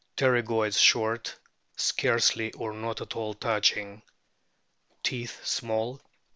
Pterv J goids short, scarcely or not at all touching. Teeth small, 32.